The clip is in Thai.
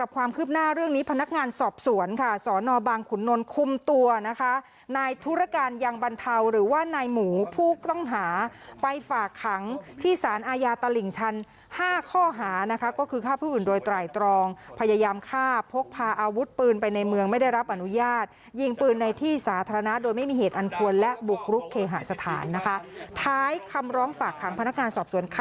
คุมตัวนะคะนายธุรกาลยังบรรเทาหรือว่านายหมูพูกต้องหาไปฝากขังที่สารอาญาตะหลิ่งชันห้าข้อหานะครับก็คือฆ่าผู้อื่นโดยไตรองพยายามฆ่าพกพาอาวุธปืนไปในเมืองไม่ได้รับอนุญาตยิงปืนในที่สาธารณะโดยไม่มีเหตุอันทวนและบุกรุกเคหสถานนะคะท้ายคำร้องฝากขังพนักการสอบสวนคั